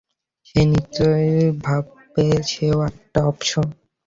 সে নিশ্চয়ই ভাববে, সে-ও আরেকটা অপশন।